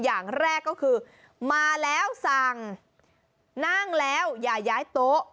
อย่างแรกก็คือมาแล้วสั่งนั่งแล้วอย่าย้ายโต๊ะ